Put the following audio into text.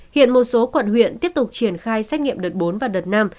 hiện một số quận huyện tiếp tục triển khai xét nghiệm đợt bốn và đợt năm